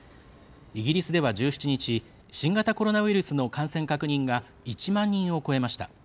イギリスでは、１７日新型コロナウイルスの感染確認が１万人を超えました。